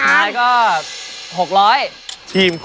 ได้เลข๔เลข๔